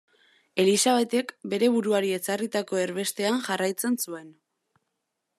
Elisabetek bere buruari ezarritako erbestean jarraitzen zuen.